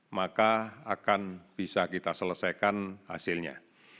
maka akan bisa kita selesaikan hasilnya